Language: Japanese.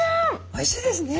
おいしいですね。